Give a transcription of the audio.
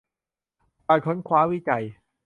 การค้นคว้าวิจัย